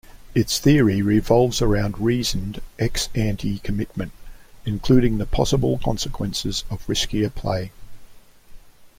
Its theory revolves around reasoned, ex-ante commitment, including the possible consequences of riskier play.